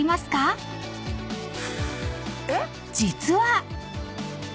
［実は］